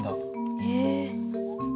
へえ。